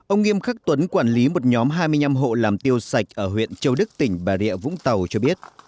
ông nghiêm khắc tuấn quản lý một nhóm hai mươi năm hộ làm tiêu sạch ở huyện châu đức tỉnh bà rịa vũng tàu cho biết